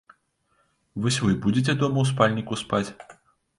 Вось вы будзеце дома ў спальніку спаць?